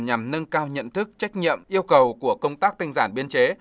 nhằm nâng cao nhận thức trách nhiệm yêu cầu của công tác tinh giản biên chế